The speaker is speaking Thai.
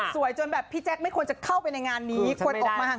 สวยจนแบบพี่แจ๊กไม่ควรจะเข้าไปในงานนี้ควรอบมาก